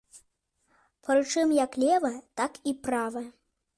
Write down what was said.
Прычым як левая, так і правая.